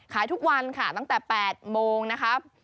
ขายทุกวันค่ะตั้งแต่๘โมงนะครับ